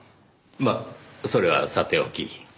まあそれはさておき。